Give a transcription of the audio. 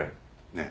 ねえ。